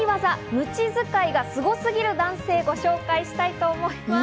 ムチ使いがスゴすぎる男性をご紹介したいと思います。